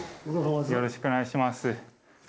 よろしくお願いします。